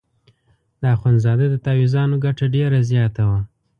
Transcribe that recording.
د اخندزاده د تاویزانو ګټه ډېره زیاته وه.